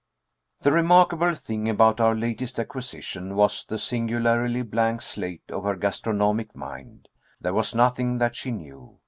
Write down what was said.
The remarkable thing about our latest acquisition was the singularly blank state of her gastronomic mind. There was nothing that she knew.